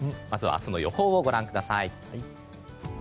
まず明日の予報をご覧ください。